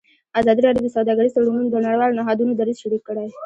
ازادي راډیو د سوداګریز تړونونه د نړیوالو نهادونو دریځ شریک کړی.